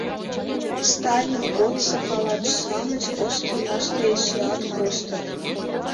Сталин годсо палач-шамыч ош тӱняште эшеат коштыт.